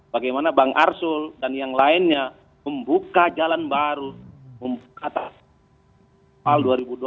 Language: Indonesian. bagaimana bang arsul dan yang lainnya membuka jalan baru kata hal dua ribu dua puluh